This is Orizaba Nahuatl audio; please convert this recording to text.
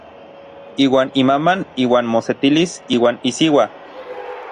Iuan imaman iuan mosetilis iuan isiua.